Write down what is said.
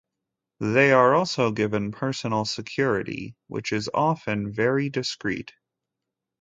They are also given personal security, which is often very discreet.